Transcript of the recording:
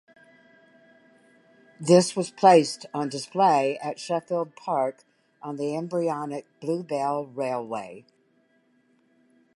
This was placed on display at Sheffield Park on the embryonic Bluebell Railway.